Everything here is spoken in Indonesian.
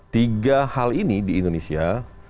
tiga hal ini di indonesia